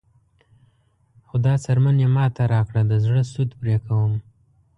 خو دا څرمن یې ماته راکړه د زړه سود پرې کوم.